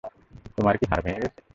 তোমার কি হাড় ভেঙ্গে গেছে?